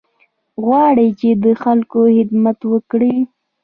غواړم چې د خلکو خدمت وکړې.